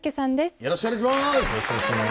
よろしくお願いします。